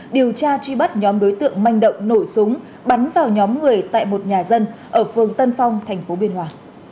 điều tra truy bắt nhóm đối tượng manh động nổ súng bắn vào nhóm người tại một nhà dân ở phường tân phong tp biên hòa